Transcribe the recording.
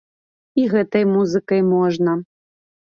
І гэтай музыкай можна.